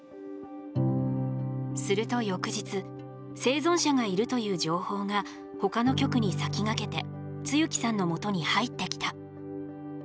すると翌日生存者がいるという情報がほかの局に先駆けて露木さんのもとに入ってきた。